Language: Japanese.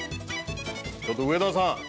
ちょっと上田さん。